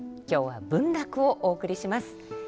今日は文楽をお送りします。